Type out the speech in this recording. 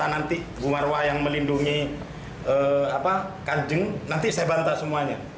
jatah nanti bumarwa yang melindungi kanjeng nanti saya bantah semuanya